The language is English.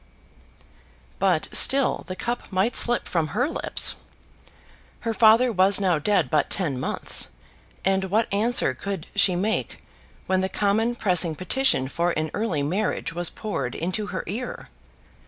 But still the cup might slip from her lips. Her father was now dead but ten months, and what answer could she make when the common pressing petition for an early marriage was poured into her ear?